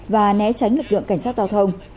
và né tránh lực lượng cảnh sát giao thông